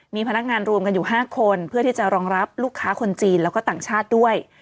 มีพนักงานรวมกันอยู่๕คนเพื่อที่จะรองรับลูกค้าคนจีนแล้วก็ต่างชาติด้วย